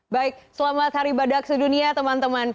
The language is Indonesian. baik selamat hari badak sedunia teman teman